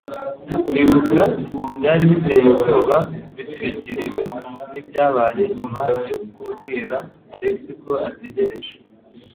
Kwibuka byari biteye ubwoba, bitwikiriwe nibyabaye nyuma yo kubwira Alex ko ategereje.